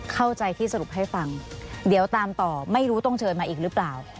เข้าใจที่สรุปให้ฟังเดี๋ยวตามต่อไม่รู้ต้องเชิญมาอีกหรือเปล่า